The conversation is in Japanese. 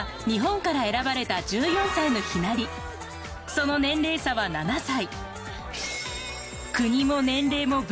その年齢差は７歳。